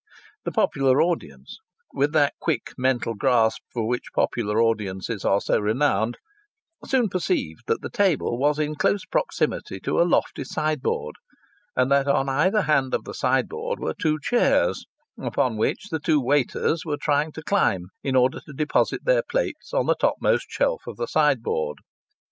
The popular audience, with that quick mental grasp for which popular audiences are so renowned, soon perceived that the table was in close proximity to a lofty sideboard, and that on either hand of the sideboard were two chairs, upon which the two waiters were trying to climb in order to deposit their plates on the topmost shelf of the sideboard.